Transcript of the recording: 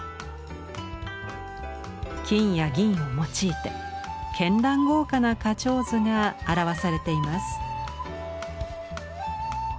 金や銀を用いて絢爛豪華な花鳥図が表されています。